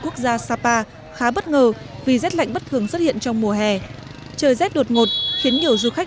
quốc gia sapa khá bất ngờ vì rét lạnh bất thường xuất hiện trong mùa hè trời rét đột ngột khiến nhiều du khách